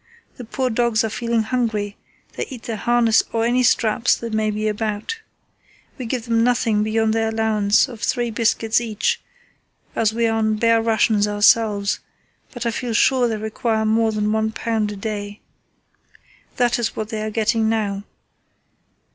The poor dogs are feeling hungry; they eat their harness or any straps that may be about. We can give them nothing beyond their allowance of three biscuits each as we are on bare rations ourselves; but I feel sure they require more than one pound a day. That is what they are getting now....